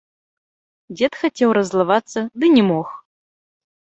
Дзед хацеў раззлавацца, ды не мог.